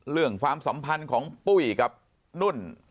เรื่องความสัมพันธ์ของปุ้กกับน่วน